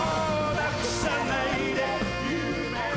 「なくさないで夢を」